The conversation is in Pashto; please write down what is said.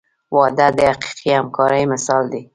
• واده د حقیقي همکارۍ مثال دی.